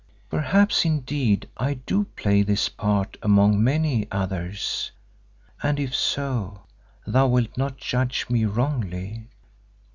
Perhaps, indeed, I do play this part among many others, and if so, thou wilt not judge me wrongly.